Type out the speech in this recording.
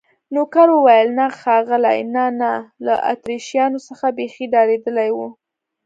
نوکر وویل: نه ښاغلي، نه، نه، له اتریشیانو څخه بیخي ډارېدلی و.